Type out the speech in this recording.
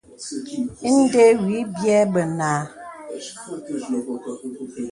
Ìndə̀ wì bìɛ̂ bənà.